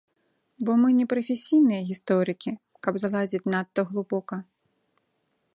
Бо мы не прафесійныя гісторыкі, каб залазіць надта глыбока.